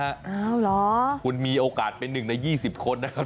อ้าวเหรอคุณมีโอกาสเป็น๑ใน๒๐คนนะครับ